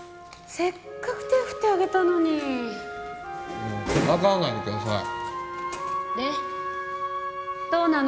せっかく手を振ってあげたのにからかわないでくださいでどうなの？